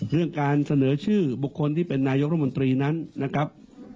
เรื่องการเสนอชื่อบุคคลที่เป็นนายกรมนตรีนั้นนะครับ